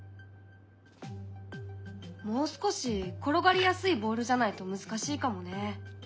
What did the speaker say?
もう少し転がりやすいボールじゃないと難しいかもね。